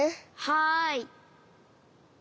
はい。